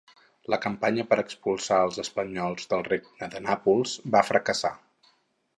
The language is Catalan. La campanya per expulsar als espanyols del Regne de Nàpols va fracassar.